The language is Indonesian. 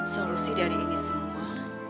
solusi dari ini semua